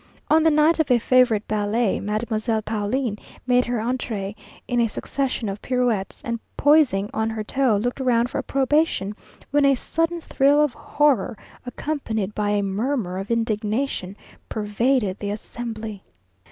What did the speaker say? On the night of a favourite ballet, Mademoiselle Pauline made her entrée in a succession of pirouettes, and poising on her toe, looked round for approbation, when a sudden thrill of horror, accompanied by a murmur of indignation, pervaded the assembly.